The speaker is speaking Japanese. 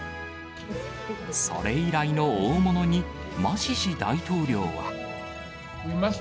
それ以来の大物に、マシシ大統領は。